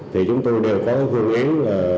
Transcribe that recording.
thì chúng tôi đều có phương án